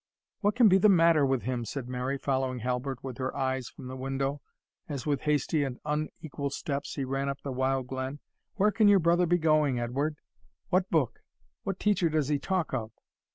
"What can be the matter with him?" said Mary, following Halbert with her eyes from the window, as with hasty and unequal steps he ran up the wild glen "Where can your brother be going, Edward? what book? what teacher does he talk of?"